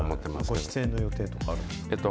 ご出演の予定とかあるんですか？